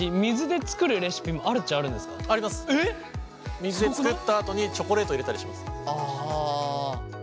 水で作ったあとにチョコレート入れたりします。